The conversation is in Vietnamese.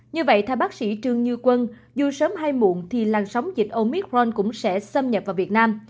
như vậy theo bác sĩ trương như quân dù sớm hay muộn thì làn sóng dịch omicron cũng sẽ xâm nhập vào việt nam